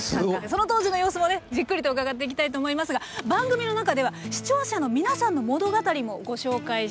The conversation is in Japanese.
その当時の様子もねじっくりと伺っていきたいと思いますが番組の中では視聴者の皆さんの物語もご紹介していきます。